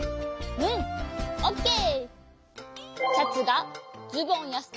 うんオッケー！